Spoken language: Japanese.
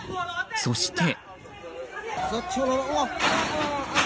そして。